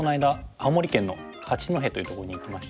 青森県の八戸というところに行きまして。